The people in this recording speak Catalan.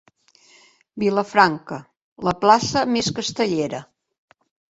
Vilafranca, la plaça més castellera.